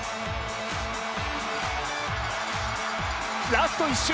ラスト１周。